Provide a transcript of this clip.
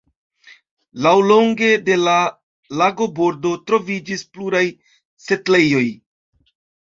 Laŭlonge de la lagobordo troviĝis pluraj setlejoj.